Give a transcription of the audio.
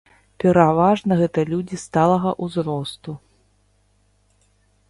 Пераважна гэта людзі сталага ўзросту.